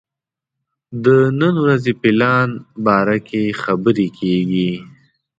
د نن ورځې پلان باره کې خبرې کېږي.